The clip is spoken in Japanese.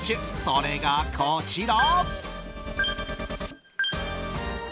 それがこちら！